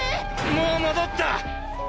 もう戻った！